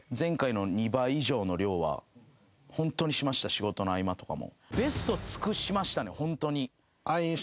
仕事の合間とかも。